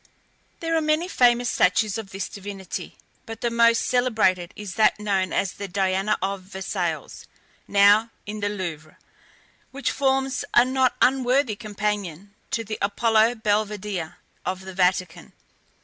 There are many famous statues of this divinity; but the most celebrated is that known as the Diana of Versailles, now in the Louvre, which forms a not unworthy companion to the Apollo Belvedere of the Vatican.